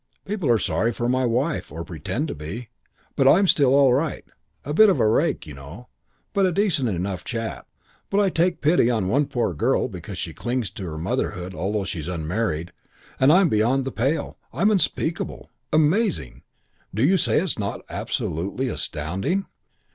People are sorry for my wife, or pretend to be, but I'm still all right, a bit of a rake, you know, but a decent enough chap. But I take pity on one poor girl because she clings to her motherhood although she's unmarried, and I'm beyond the pale. I'm unspeakable. Amazing. Do you say it's not absolutely astounding?